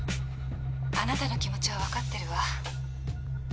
あなたの気持ちは分かってるわ。